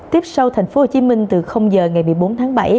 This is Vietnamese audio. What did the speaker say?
tiếp sau thành phố hồ chí minh từ giờ ngày một mươi bốn tháng bảy